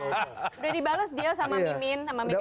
udah dibalas dia sama mimin